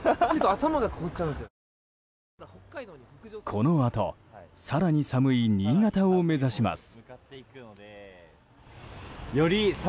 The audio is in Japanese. このあと更に寒い新潟を目指します。